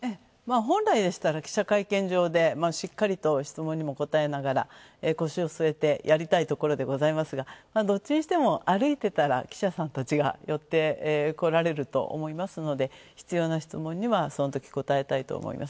本来でしたら記者会見場でしっかりと質問にも答えながら腰を据えてやりたいところでございますがどっちにしても、歩いていたら記者さんたちが寄ってこられると思いますので必要な質問にはそのとき答えたいと思います。